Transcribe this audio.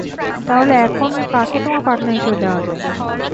তাহলে এখন কাকে তোমার পার্টনার হিসেবে দেয়া যায়?